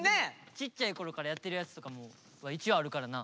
ちっちゃいころからやってるやつとかも一応あるからな。